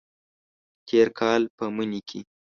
تیر کال په مني کې